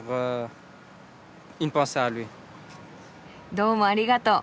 どうもありがとう。